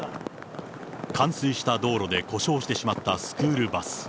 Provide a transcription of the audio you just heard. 冠水した道路で故障してしまったスクールバス。